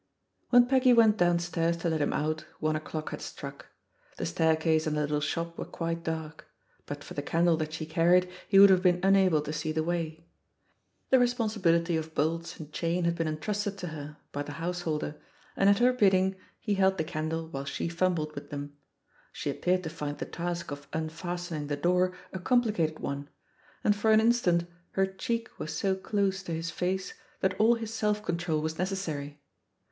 When Peggy went downstairs to let him out, one o'clock had struck. The staircase and the little shop were quite dark; but for the candle that she carried, he would have been unable to see the way. The responsibility of bolts and chain had been entrusted to her by the house holder, and at her bidding he held the candle while she fumbled with them. She appeared to find the task of unfastening the door a compli cated one, and for an instant her cheek was so close to his face that all his self control was nec essary.